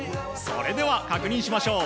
それでは確認しましょう。